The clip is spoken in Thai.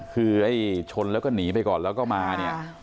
คือไอ้ชนแล้วก็หนีไปก่อนแล้วก็มาเนี่ย